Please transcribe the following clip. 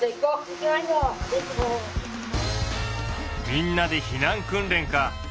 みんなで避難訓練か。